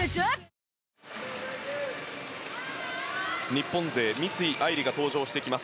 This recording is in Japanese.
日本勢三井愛梨が登場してきます